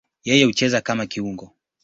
Yeye hucheza kama kiungo.